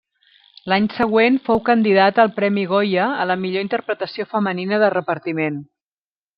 L'any següent fou candidata al Premi Goya a la millor interpretació femenina de repartiment.